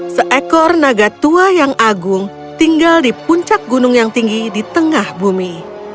seekor naga tua yang agung tinggal di puncak gunung yang tinggi di tengah bumi